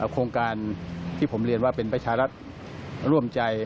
โครงการที่ผมเรียนว่าเป็นประชารัฐร่วมใจ